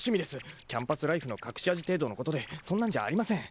キャンパスライフの隠し味程度のことでそんなんじゃありません。